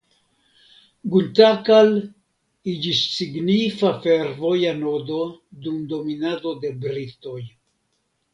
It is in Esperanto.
Guntakal iĝis signifa fervoja nodo dum dominado de britoj.